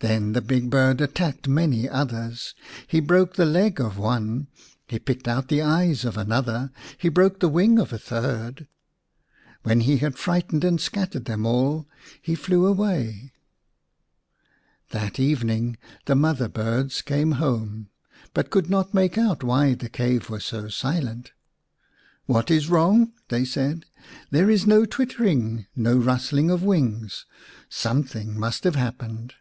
Then the big bird attacked many others. He broke the leg of one, he picked out the eyes of another, he broke the wing of a third. When he had frightened and scattered them all he flew away. 29 The Little Birds m That evening the mother birds came home, but could not make out why the cave was so silent. " What is wrong ?" they said. " There is no twittering, no rustling of wings. Some thing must have happened."